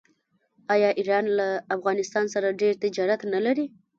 آیا ایران له افغانستان سره ډیر تجارت نلري؟